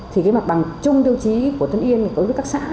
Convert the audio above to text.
thì cái mặt bằng chung tiêu chí của tân yên với các xã